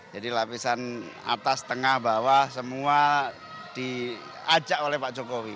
jadi lapisan atas tengah bawah semua diajak oleh pak jokowi